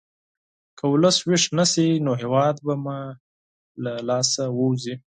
که ولس ویښ نه شي، نو هېواد به مو له لاسه ووځي.